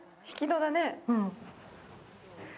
引き戸だね。